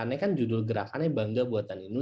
makanya kan judul gerakannya bangga buatkan indonesia